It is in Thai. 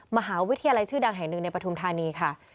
มหาวิทยาลัยชื่อดังแห่งหนึ่งในปฐุมธานีค่ะ